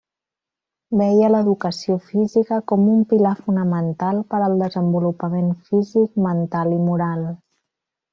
Veia l'educació física com un pilar fonamental per al desenvolupament físic, mental i moral.